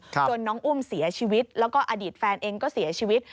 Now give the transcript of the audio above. น้องอุ้มเสียชีวิตแล้วก็อดีตแฟนเองก็เสียชีวิต